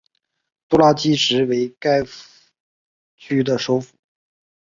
杜拉基什为该区的首府。